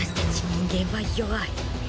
人間は弱い。